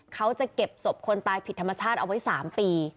เขาจะเก็บศพคนตายผิดธรรมชาติเอาไว้๓ปี